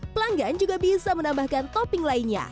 pelanggan juga bisa menambahkan topping lainnya